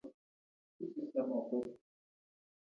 مخکې له زلزلې خپل کورنه څنګه جوړ کوړو؟